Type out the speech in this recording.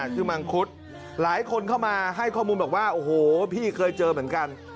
มังคุดหลายคนเข้ามาให้ข้อมูลบอกว่าโอ้โหพี่เคยเจอเหมือนกัน